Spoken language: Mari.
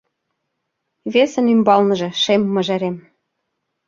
Весын ӱмбалныже шем мыжерем.